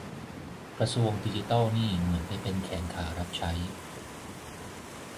กระทรวงดิจิทัลนี่เหมือนไปเป็นแขนขารับใช้